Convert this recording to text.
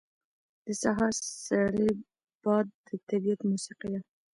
• د سهار سړی باد د طبیعت موسیقي ده.